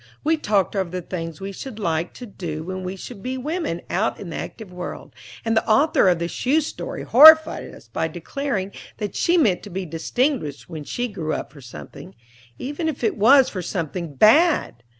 We talked over the things we should like to do when we should be women out in the active world; and the author of the shoe story horrified us by declaring that she meant to be distinguished when she grew up for something, even if it was for something bad!